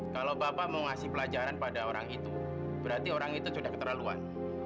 kalau bapak mau ngasih pelajaran pada orang itu berarti orang itu sudah keterlaluan